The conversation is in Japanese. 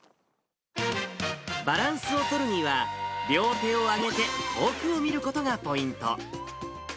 バランスを取るには、両手を上げて遠くを見ることがポイント。